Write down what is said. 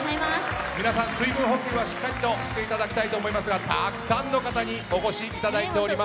皆さん、水分補給はしっかりしていただきたいですがたくさんの方にお越しいただいております。